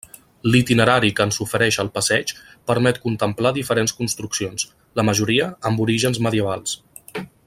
L'itinerari que ens ofereix el passeig permet contemplar diferents construccions, la majoria amb orígens medievals.